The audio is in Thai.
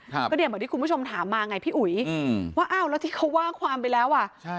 ครับก็เนี่ยเหมือนที่คุณผู้ชมถามมาไงพี่อุ๋ยอืมว่าอ้าวแล้วที่เขาว่าความไปแล้วอ่ะใช่